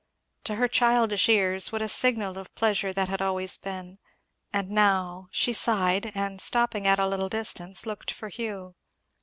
To her childish ears what a signal of pleasure that had always been; and now, she sighed, and stopping at a little distance looked for Hugh.